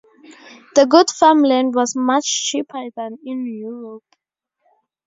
The good farm land was much cheaper than in Europe.